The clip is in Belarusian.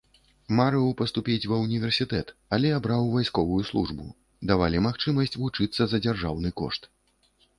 Марыў паступіць ва ўніверсітэт, але абраў вайсковую службу, давалі магчымасць вучыцца за дзяржаўны кошт.